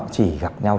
chỉ gặp nhau